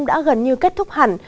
đã gần như kết thúc hẳn